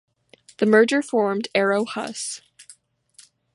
The merger formed Arrow Huss.